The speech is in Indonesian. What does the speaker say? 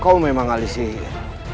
kau memang alis sihir